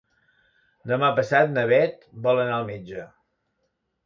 Demà passat na Beth vol anar al metge.